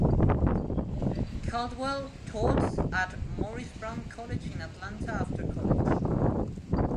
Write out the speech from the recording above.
Caldwell taught at Morris Brown College in Atlanta after college.